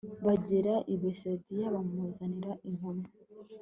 bagera i betisayida bamuzanira impumyi